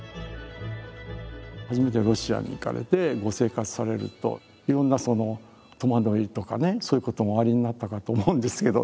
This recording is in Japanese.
初めてロシアに行かれてご生活されるといろんな戸惑いとかねそういうこともおありになったかと思うんですけど